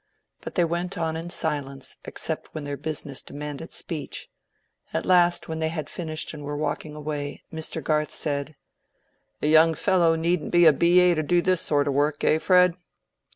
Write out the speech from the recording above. But they went on in silence except when their business demanded speech. At last, when they had finished and were walking away, Mr. Garth said— "A young fellow needn't be a B. A. to do this sort of work, eh, Fred?"